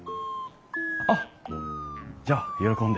あっじゃあ喜んで。